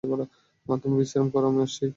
তোমারা বিশ্রাম কর আমি আসছি।